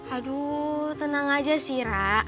aduh tenang aja sih rak